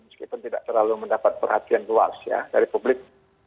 meskipun tidak terlalu mendapat perhatian luas ya dari publik